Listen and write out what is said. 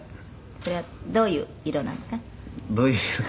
「それはどういう色なんですか？」